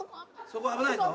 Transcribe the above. そこ危ないぞ。